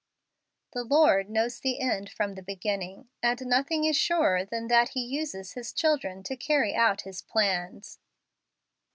The Lord knows the end from the be¬ ginning, and nothing is surer than that He uses His children to carry out His plans.